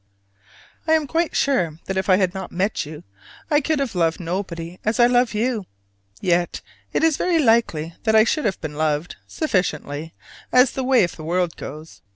I am quite sure that if I had not met you, I could have loved nobody as I love you. Yet it is very likely that I should have loved sufficiently, as the way of the world goes.